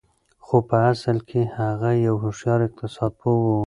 خو په اصل کې هغه يو هوښيار اقتصاد پوه و.